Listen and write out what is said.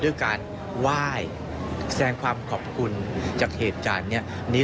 ด้วยการไหว้แสดงความขอบคุณจากเหตุการณ์นี้